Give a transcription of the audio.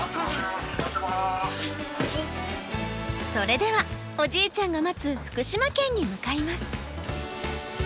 それではおじいちゃんが待つ福島県に向かいます。